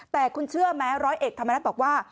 แต่คุณเชื่อไหมร้อยเอกธรรมนัฏบอกว่า